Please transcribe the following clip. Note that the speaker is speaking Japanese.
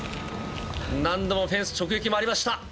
何度もフェンス直撃もありました。